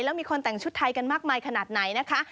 แล้วมีคนแต่งชุดไทยกันมากมายขนาดไหนนะคะ